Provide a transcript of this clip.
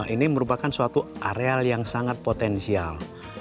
ini merupakan suatu areal yang sangat potensial